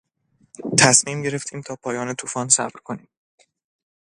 تصمیم گرفتیم تا پایان توفان صبر کنیم.